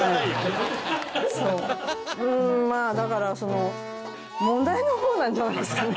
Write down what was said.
うーんまあだから「問題」の方なんじゃないですかね。